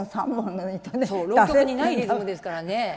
そう浪曲にないリズムですからね。